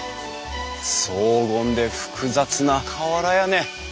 荘厳で複雑な瓦屋根。